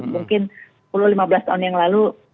mungkin sepuluh lima belas tahun yang lalu